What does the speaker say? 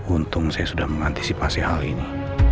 untung saya sudah mengantisipasi hal ini